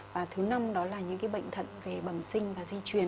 và thứ năm đó là những cái bệnh thận về bẩm sinh và di truyền